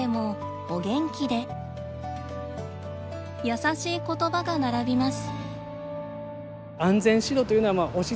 優しいことばが並びます。